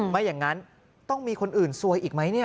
ไม่อย่างนั้นต้องมีคนอื่นซวยอีกไหมเนี่ย